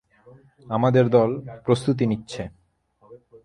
আমাদের দল প্রস্তুতী নিচ্ছে।